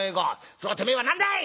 それをてめえは何だい！